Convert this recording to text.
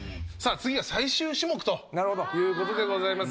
次が最終種目ということでございます。